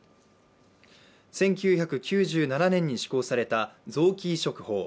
１９９７年に施行された臓器移植法。